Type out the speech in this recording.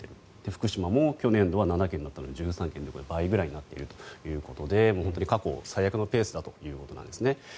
福島も去年度は７件だったのに１３件で倍ぐらいになっているということで過去最悪のペースだということなんですね。